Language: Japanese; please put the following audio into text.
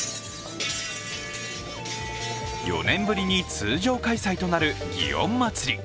４年ぶりに通常開催となる祇園祭。